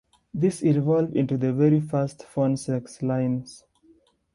This evolved into the very first "phone sex" lines.